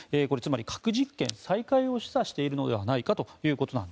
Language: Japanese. これ、つまり核実験再開を示唆しているのではないかと。